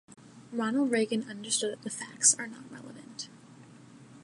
Ronald Reagan understood that the facts are not relevant.